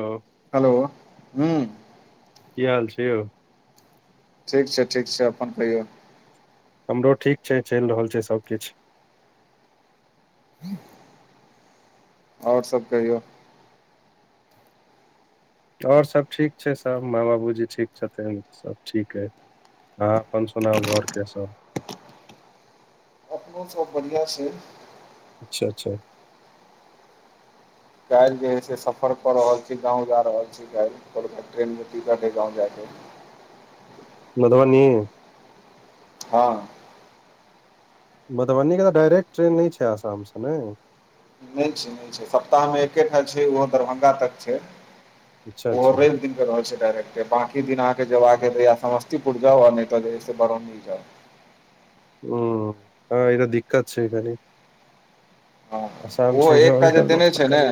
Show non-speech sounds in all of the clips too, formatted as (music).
Hello hello, हू कि हाल छै यौ? ठीक छै ठीक छै अपन कहियौ। हमरो ठीक छै चलि रहल छै सभ किछु आओर सभ कहियौ आओर सभ ठीक छै सभ माँ बाबूजी ठीक छथिन सभ ठीक अइ हँ अपन सुनाउ घर के सभ सभ बढ़िया छै अच्छा अच्छा। काल्हि जे हय से सफर कर रहल छी गाव जा रहल छी ठीक पर क टेन के टीकट यै गाग जा छै मधुबनी? हँ। मधुबनीके तऽ डायरेक्ट ट्रेन नहि छै आसाम सँ ने नहि छै न छै सप्ताहमे एकेठ छै ओहो दरभंगा तक छै। अच्छा ओ अच्छा हूँ रहै। छै डायरेक्ट बाकी दिन अहाँकेँ जेयबाकै य समस्तीपुर जाउ तऽ बरौनी जाउ हँ इटा दिक खात छै एख हँ आसाम ओहो छयै एकटा जे अटर देने छै ने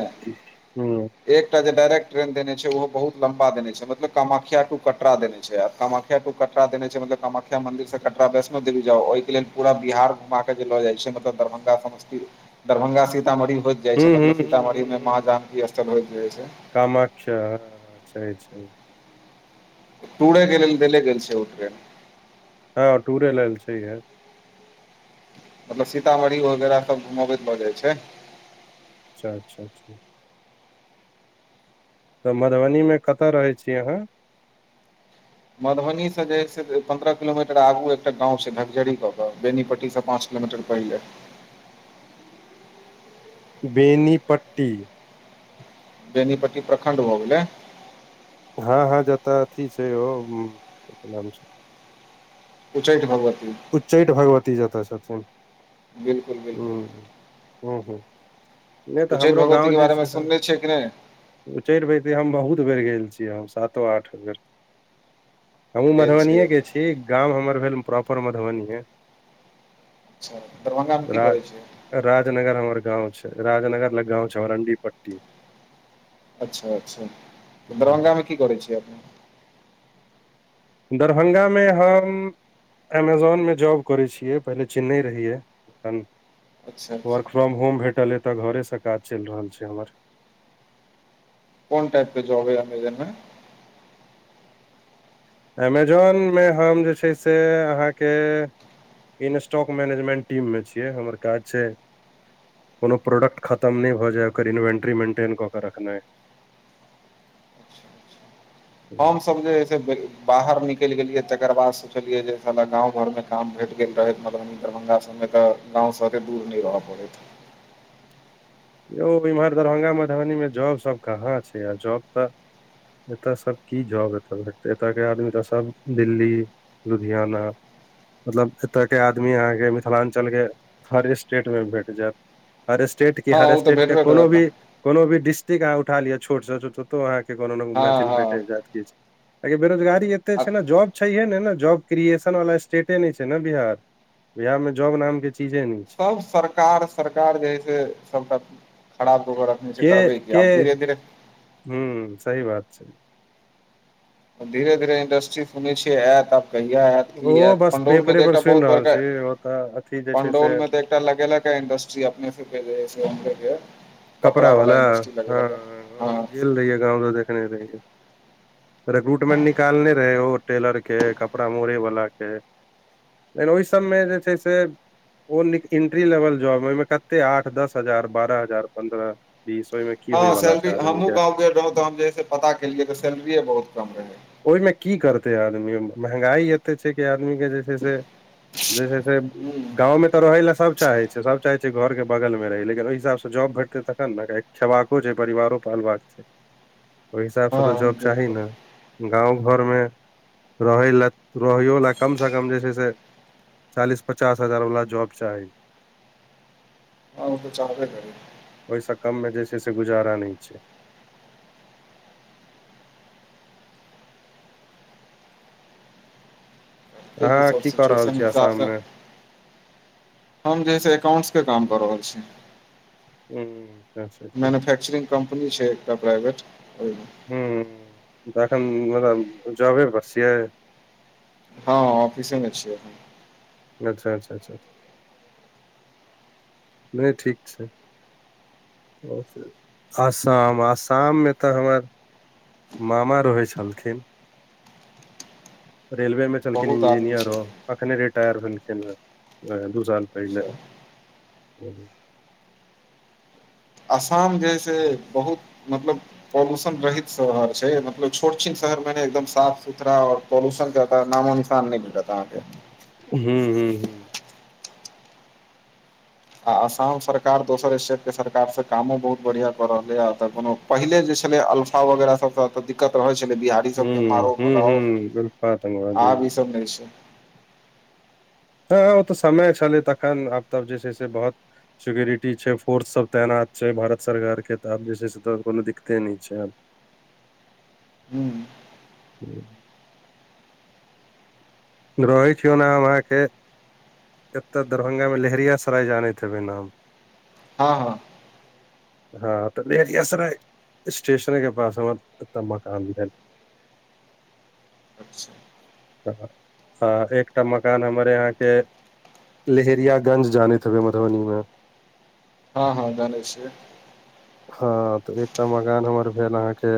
एकटा जे डायरेक्ट ट्रेन देने छै ओहो बहुत लम्बा देने छै मत काख्या कटरा देने छै कामख्या कट देने छै मतलब कामख्या मन्दिर से कटरा वैष्णो देवी जाउ ओहिके लेलऽ पूरा बिहार घु के लऽ जाइ छै, मतलब दरभंगा समस्ती दरभंगा सीत। सीतामढ़ी होइत जाय हूँ छै हूँ हूँ मतलब सीतामढ़ी मे माँ जानकी स्थल होइत जाइ छै। कामख्या सही छै। टूड़े गेल देले गेललसे उटरे हँ टूरे लेल सी है। मतलब सीतामढ़ी वगैरह सभ घुमबैत लऽ जाइ छै अच्छा, अच्छा। तऽ मधुबनी मे कतऽ रहै छी अहाँ मधुबनी से जे पन्द्रह किलोमीटर आगू एकटा गाव छै घकजरी क के बेनीपट्टी से पांच किलो मीटर पहिले। बेनीपट्टी। बेनीपट्टी प्रखंड भऽ गेले ह, ह जत अथी छै ओ कि नाम छै उचैठ भगवती। उच्चैठ भगवती जतऽ छथिन बिल्कुल हू बिल्कुल हू, ह नहि तऽ उच्चैठ हमरो भगवती गाव के जे बारे मे छै सुनने छियै कि नहि उचढ़िबते हम बहुत बेर गेल छियै हम सातो आठ बेर हमहूँ गेल छियै मधुबनिएके छी गाम हमर भेल प्रॉपर मधुबनी अच्छा, दरभंगा मे कि राज करै छै राजनगर हमर गाव छै राजनगर लग गाव छै हमर ह हरण्डि पट्टी अच्छा, अच्छा, तऽ दरभंगामे की करैत छियै अपने दरभंगा मे हम एमेजोन मे जॉब करै छियै पहिले चेन्नई रहहियै एखन। अच्छा वर्क अच्छा फ्रॉम होम भेटल ए तऽ घरे सँ काज चलि रहल छै हमर कोन टाइपके जॉब अय अमैजॉन अमेजोनमे हम जे छै से अहाँकेँ इन स्टॉक मैनेजमेट टीम मे छियै हमर काज छै। कोनो प्रोडक्ट खतम नहि भऽ जाय ओकर इन्वेन्ट्री मेटेन कऽ के रखनाइ हमसभ जे से बाहर निकलि गेलियै तकर बाद सोचलियै जे साला गाव घर मे काम भेट गेल रहै मधु दरभंगा सभमे तऽ गावसँ एते दूर नहि रहय पड़ैत यौ इम्हर दरभंगा मधुबनी मे जॉबसभ कहाँ छै आ जॉब तऽ एतय सभ की जॉब एत एतय के आदमी तऽ सभ दिल्ली लुधियाना। मतलब एतयके आदमी अहाँकेँ मिथिलाञ्चलके हर स्टेटमे भेट जायत हर स्टेट के हँ हर ओ तऽ स्टेट के भेटबे कोनो करत भी कोनो भी डिस्टिकट अहाँ उठा लियअ छोटसँ ततहु अहाँकेँ कोनो हँ मैथिल हँ भेटल जात किछु बेरोजगारी एते आ छै ने जॉब छै ने जॉब क्रिएशन वाला स्टेटे नहि छै ने बिहार बिहार मे जॉब नाम के चीजे नहि छै सभ सरकार सरकार जे है से सभटा खराब गबर रखने करबै कि आब धीरे धीरे हू सही बात छै। धीरे धीरे इंडस्ट्री सुन छिये आयतब कहिया आय ओ किया बस पंडौल मे पेपरे देख पर सुनि बहुत रहल बड़का छी ओतऽ अथी जे छै पंडौल से मे देख लगेलगा इंडस्ट्री अपने कपड़ा वाला इंडस्ट्री लगे य ह हँ गेल रहिए गाव त देखने रहै गुट मैन निकालने रहै ओ टेलरके कपड़ा मोड़े वला के। लेकिन ओहि सभमे जे छै सँ ओ इंट्री लेवल जॉब मे कते आठ दस हजार बारह हजार। पन्द्रह बीस ओयीमे हँ सैलरी हमहूँ गाव गेल रहौ तऽ हम जे से पता केलियै तऽ सैलरिए बहुत कम रहै ओहिमे की करतै आदमी महगाई एते छै कि आदमी जे छै से जैसे हूँ गावमे तऽ रहय लए सभ चाहै छै सभ चाहैत छै घरके बगलमे रहै लेकिन ओहि हिसाबसँ जॉब भेटतै तखन ने खेबाको छै परिवारो पालबाक छै ओहि हिसाब से तऽ हँ जॉब चाही बिल्कुल नै गाव घरमे रहै लए रहैयो लए कम से कम जे छै से चालीस पचास हजार वला जॉब चाही हँ ओ तऽ चाहे कर। ओहिसँ कम मे जे छै से गुजारा नहि छै अहाँ त की कऽ रहल सिचुएशन छी आसाम हिसाबसँ। मे हम जे है से एकाउंटस के काम कऽ रहल छी ह। मैनुफैक्चरिग कम्पनी छै एकटा प्राइवेट ओहि हू त एखन मतलब जबे पर छियै हँ ऑफिसेमे छिये अच्छा, अच्छा, अच्छा नहि ठीक छै। आसाम आसाममे तऽ हमर। मामा रहै छलखिन। रेलवे मे छलेलखिन बहुत आदमी छै इंजीनियरो अखने रिटायर भेलखिन ह दू साल पहिल। अच्छा आसाम जे हइ से बहुत मतलब पॉल्यूशन रहित शहर छै मतलब छोट छिन शहर मे ने एकदम साफ सुथरा और पॉल्यूशन क एत नामो नासान नहि भेटत अहाँ के (unintelligible) आ आसाम सरकार दोसर स्टेटके सरकारसँ कामो बहुत बढ़िआँ कऽ रहलैए एतऽ कोनो पहिले जे छले अल्फा वगैरह सब त दिक्कत रह रहल छले बिहार सब हूँ मार हूँ भगाओ हूँ उल्फात (inaudible) अंगवादी आब इ सब नहि छै हँ ओ तऽ समय छलै तखन आब तब जे छै से बहुत सिक्योरिटी छै फोर्स सब तैनात छै भारत सरकार के तऽ आब जे छै से कोनो दिक्कते नहि छै आब (inaudible) (inaudible) रहै छि ओना हम अहाँके एतऽ दरभंगा मे लहेरियासराय जानैत हेबै नाम हँ हँ (inaudible) हँ तऽ लेहरियासराय स्टेशन के पास हमर अपन मकान भेल (inaudible) ह एकटा मकान हमर यहाँके लहेरियागंज जानैत हेबै मधुबनी मे हँ हँ जानै छियै हँ तऽ एकटा मकान हमर भेल अहाँके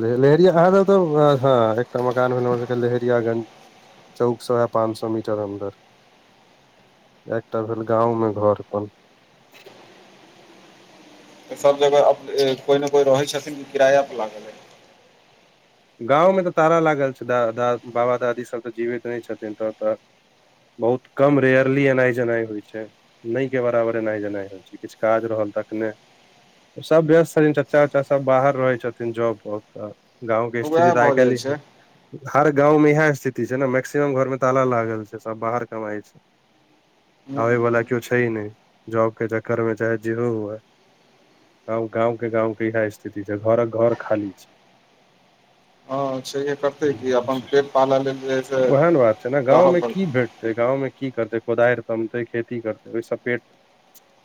लहेरिया अहाँ (unintelligible) एकटा मकान भेल लहेरियागंज (inaudible) चौक स वैह पाँच सौ मीटर अन्दर एकटा भेल गाँव में घर अपन त सब जगह कोइ ने कोइ रहै छथिन किराय पर लागल ह गाँवमे तऽ ताला लागल छै द बाबा दादी सब तऽ जीवै करें छथिन तब तक बहुत कम अच्छा रेयरली एनाय जेनाइ होइ छै नहि के बराबरे ऐनाइ जेना होइ छै किछ काज रहल तखने सब व्यस्त छथिन चचा उचा सब बाहर रहै छथिन जॉब क क गाँव श्री उएह राय भऽ क जाइ छै लिहन हर गाँंव मे इएह स्थिति छै ने मैक्सिमम घरमे ताला लागल छै सब बाहर कमाइ छै हूँ आबे वाला हूँ केओ छै नहि जॉब के चक्कर में चाहे जेहो हुए गाँव के गाँव के इह स्थिति छै घरक घर खाली छै ह छैहे करतै की अपन पेट पाल लेल जे से दाह परते गाँव मे की करतै कोदार तमतै खेती करतै ओहिसँ पेट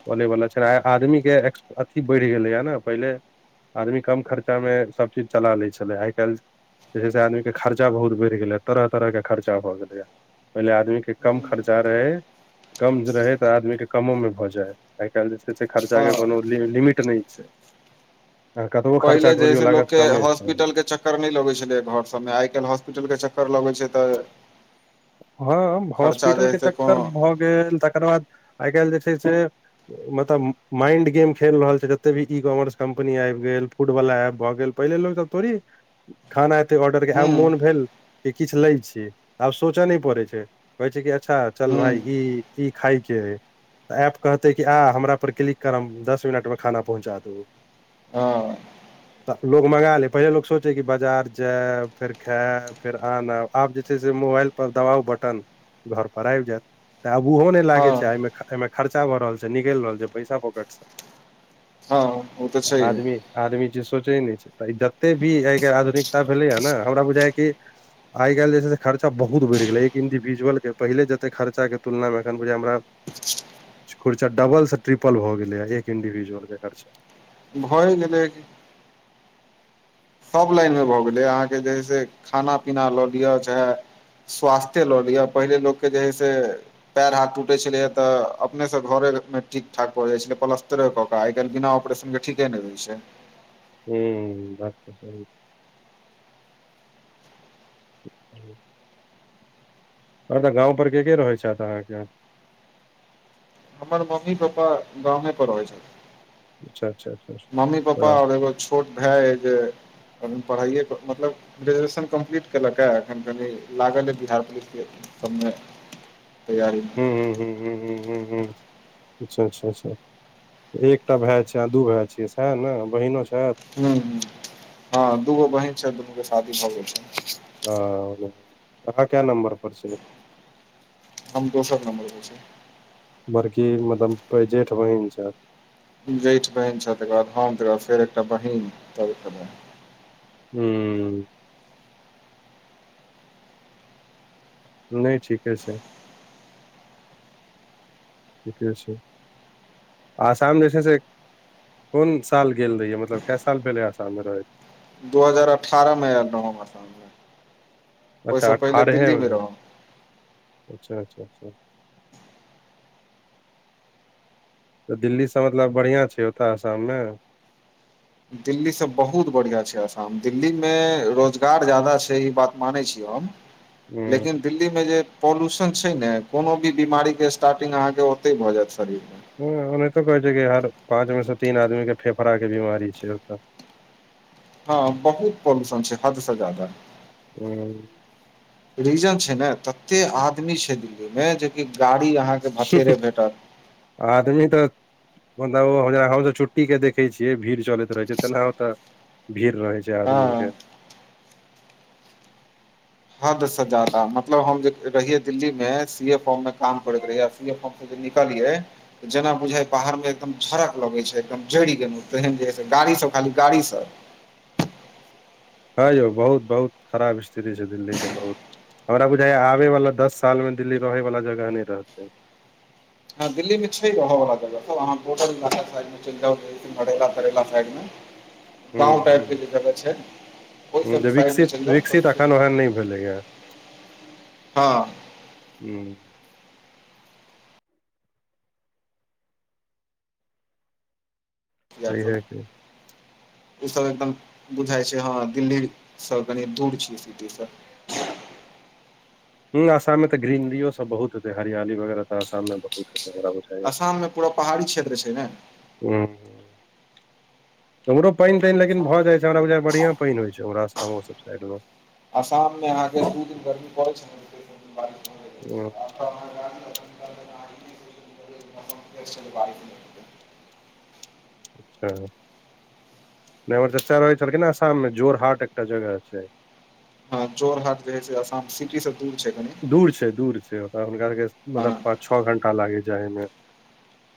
पले वाला छै आदमी के अथी बढ़ि गेलै य ने पहिले आदमी कम खर्चा में सब चीज चला ले छले आ काइल जे छै से आदमी के खर्चा बहुत बढ़ि गेल ह तरह तरह के खर्चा भए गेलै य पहिले आदमी के कम खर्चा रहै कम रहै त आदमीे कमो मे भ जाय आए काइल जे छै से खर्चा हँ के कोनो लि लिमिट नहि छै आ कतबो पहिले खर्चा जे है करियों से लागत लोकके कमे छै हॉस्पिटल के चक्कर न नहि लगै छलै घर सभमे आए काइल हॉस्पिटल के चक्कर लगैत छै त हँ हॉस्पिटल जे है के से चक्कर कोनो भ गेल तकरा आए काइल जे छै से मतलब माइंड गेम खेल रहल छै जते भी ई कॉमर्स कम्पनी आबि गेल फूडवला एप भ गेल पहिले लोक सब थोड़े खाना एते ऑर्डर हूँ मोन भेल कि किछ लै छिये सोचऽ नहि पड़ै छै कहै छै कि अच्छा चल हूँ भाय ई ई खाय के है तऽ एप कहतै कि आ हमरा पर क्लिक करब दस मिनटमे खाना पहुँचा द हँ। तऽ लोग मंगा ले पहिले लोको सोचे कि बाजार जाय फेर खायब फेर आनब आब जे छै से मोबाइल पर दबााव बटन घर पर आब जायत ते आब ओहो नहि लागे हँ छै आइ एहिमे खर्चा भऽ रहल छै निगल रहल छै पैसा पोकट से हँ, ओ तऽ छै आदमी आदमी जे सोचै नहि छै तऽ ई जते भी एहिके आधुनिकता भेलैय ने हमरा बुझाइ छै आइ काल जे छै, सँ खर्चा बहुत बहुत बढ़ि गेलै एक इंडिविजुअल के पहिले जते खर्चा कऽ तुलनामे एख बुझी हमरा खुर्चा डबल से ट्रिपल भऽ गेलैए एक इंडिविजुअल के खर्चा भए गेलै सभ लाइन मे भऽ गेलै अहाँ के जे से खाना पीना ल लिआ चाहे स्वास्थे लऽ लिआ पहिले लोक के जे हइ से पएर हाथ टूटै छलै हे त अपनेसँ घरे मे ठीक ठाक भऽ जाइत छलै पलस्तरे क के आइकाल बिना ऑपरेशन के ठीके ने है छै हे हे बात तऽ सही छै (inaudible) आ त गाव पर के के रहै छै अहाँकेँ हमर मम्मी पप्पा गामे पर रह छै अच्छा अच्छा अच्छा मम्मी पप्पा अच्छा ओर एगो छोट भाय जे पढ़ाइए मतलब ग्रेजुएशन कम्प्लीट केलक है एखन कनि लागल हइ बिहार पुलिस के सभमे तैयारी। हू ह हू ह ह ह ह अच्छा अच्छा अच्छा। एकटा भाय छिय आह दू भाय छियै सएह ने बहिनो छत हू, हू, दूगो बहीन छै दुनू के शादी भऽ गेल छै आ ओर क्या नंबर पर छै हम दोसर नंबर पर छै बड़की मतलब पै जेठ बहिन छैय जेठ बहिन छै तकर बाद हम त बाद फेर एकटा बहिन तब हूँ। नहि ठीके छै ठीके छै, आसाम जे छै सँ कोन साल गेल रहियए मतलब काय साल भेलै आसामे रहैत दू हजार अठारह मे यैल ने अच्छा, अठारहे मे रहौ अच्छा, अच्छा, अच्छा। तऽ दिल्लीसँ मतलब बढ़िआ छै ओतय आसाम मे दिल्लीसँ बहुत बढ़िआ छै आसाम दिल्ली मे रोजगार ज्यादा छै ई बात मानै छियै हम हूँ लेकिन। दिल्ली मे जे पॉल्यूशन छै ने कोनो भी बीमारी के स्टार्टिग अहाँकेँ ओते भए जायत शरीर मे ह ओनातो कहै छै कि हर पाँच मे से तीन आदमी के फेफड़ाक के बीमारी छै ओतऽ हँ बहुत पोदूषण छै, हद से जादा हू। रीजन छै ने तते आदमी छै दिल्लीमे जेकि गाड़ी अहाँकेँ भथेरे भेटत आदमी तनी तऽ मतलब ओ हम सभ छुट्टी के देखे छियै भीड़ चलैत रहे छै तेना होताे भीड़ रहे छै आधुनिक हँ (unintelligible) हदसँ जादा मतलब हम जे रहियै दिल्ली मे सी ए फॉर्म मे काम करैके रहियै ए फॉर्म से ज निकालियै तऽ जेना बुझाइ पहाड़मे एकदम झरक लगैत छै एकदम जरि गेलहुँ तहन जे है से गाड़ीसभ खाली गाड़ीसभ हँ यौ बहुत बहुत खराब स्थिति छै दिल्ली के बहुत हमरा बुझाय आबे वाला दस साल में दिल्ली रहे वाला जगह नहि रहते ह दिल्ली मे छै ह हँ (unintelligible) वला जगहहाँल (unintelligible) नरैला तरैला साइड मे हूं गाँ (unintelligible) हूं टाइप के जगह छै ओहि सब जे साइड मे विकसित चलि जाउ विकसित तऽ अखन ओहन नहि भेलैएा हँ ह सहिये यारफ की ओ सब एकदम बुझााय छै हँ दिल्ली सब कनी दूर छी सिटी सब हँ आसाम त ग्रनरीयो सब बहुत हे हरियाली वगैरह तऽसाममे बहुत हेतैरा आसाममे पूरा पहाड़ी क्षेत्र छै ने हुॅं उमहरो पानि तानि लेकिन आसाम भऽ मे जाइ छै बढ़िया पानि होइ छै उमहर सातों सब साइड मे आसाम मे अहाँ के दू दिन गर्मी पड़े छै जाइ ह (inaudible) भ नै एमहर चचा रहै छलखिन आसाममे जोर हाट एकटा जगह छै हँ चोर हाथ जे है से आसाम सिटी से दूर छै कनी दूर छै दूर छै ओ हुनका सबके हँ मतलब पाँच छओ घंटा लागे जायमे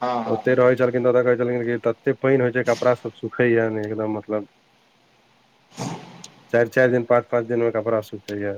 हँ हँ ओते रहै छै छलिन तऽ ओ कहै छलखिन क तते पानि होइ छै कपड़ा सब सुखेया नै एकदम मतलब चारि चारि दिन पाँच पाँच दिन में कपड़ा सुखैया